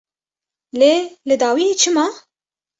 Lê li dawiyê çi ma?